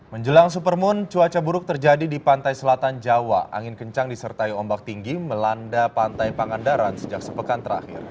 menjelang supermoon cuaca buruk terjadi di pantai selatan jawa angin kencang disertai ombak tinggi melanda pantai pangandaran sejak sepekan terakhir